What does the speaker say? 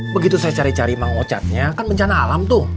begitu saya cari cari mangocatnya kan bencana alam tuh